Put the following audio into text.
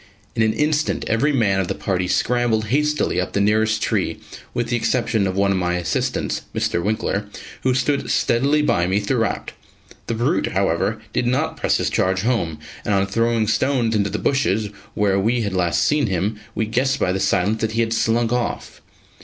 In an instant, every man of the party scrambled hastily up the nearest tree, with the exception of one of my assistants, Mr. Winkler, who stood steadily by me throughout. The brute, however, did not press his charge home: and on throwing stones into the bushes where we had last seen him, we guessed by the silence that he had slunk off.